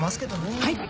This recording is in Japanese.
はい。